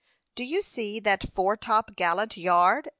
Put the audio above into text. "Do you see that fore top gallant yard?"